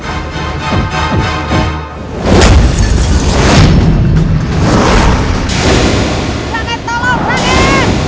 rakan tolong rakan